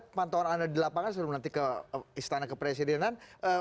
pantauan anda di lapangan sebelum nanti ke istana kepresidenan